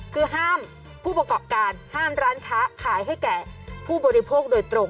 คือห้ามผู้ประกอบการห้ามร้านค้าขายให้แก่ผู้บริโภคโดยตรง